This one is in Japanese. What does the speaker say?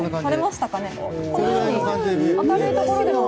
このように明るいところでも。